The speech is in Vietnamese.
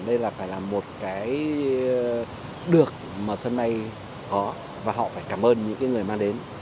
đây là phải là một cái được mà sân bay có và họ phải cảm ơn những người mang đến